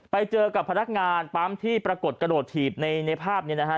ไปเจอกับพนักงานปั๊มที่ปรากฏกระโดดถีบในภาพนี้นะฮะ